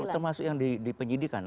termasuk yang dipenyidikan